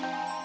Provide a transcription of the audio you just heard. kita ke rumah